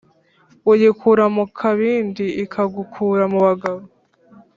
Uyikura mu kabindi ikagukura mu bagabo.